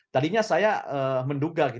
tadinya saya menduga